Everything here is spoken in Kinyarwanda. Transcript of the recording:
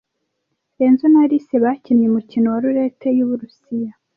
Lenzo na Alice bakinnye umukino wa roulette yu Burusiya.